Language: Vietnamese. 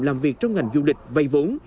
làm việc trong ngành du lịch vay vốn